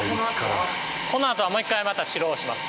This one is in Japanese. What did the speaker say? このあとはもう一回また白をします。